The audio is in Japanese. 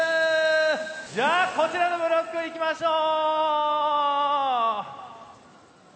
じゃあこちらのブロックいきましょう。